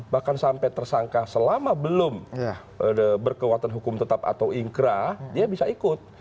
bahkan sampai tersangka selama belum berkekuatan hukum tetap atau ingkrah dia bisa ikut